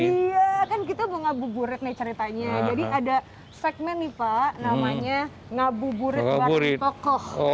iya kan kita bunga buret nih ceritanya jadi ada segmen nih pak namanya ngabuburit warna tokoh